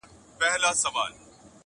ګلکده به ستا تر پښو لاندي بیدیا سي,